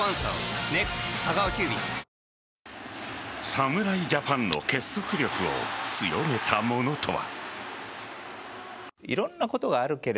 侍ジャパンの結束力を強めたものとは。